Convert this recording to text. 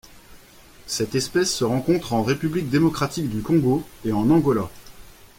Cette espèce se rencontre en République démocratique du Congo et en Angola.